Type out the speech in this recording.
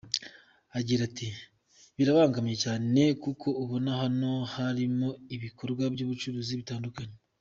Agira ati “Birabangamye cyane kuko ubona hano harimo ibikorwa by’ubucuruzi bitandukanye.